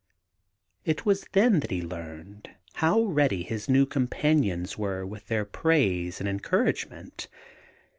It was then that he learned how ready his new companions were with their praise and encourage ment.